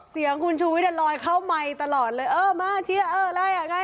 เสียงคุณชูวิทย์ลอยเข้าไมค์ตลอดเลยเออมาเชียร์เอออะไรอ่ะไง